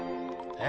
え？